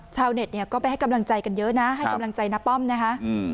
ชาวเน็ตเนี่ยก็ไปให้กำลังใจกันเยอะนะให้กำลังใจน้าป้อมนะคะ